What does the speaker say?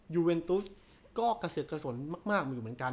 ยูเวนทูธก็เกษตรสนมาก